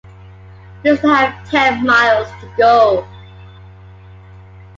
We still have ten miles to go.